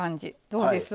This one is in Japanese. どうです？